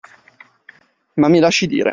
Ma mi lasci dire.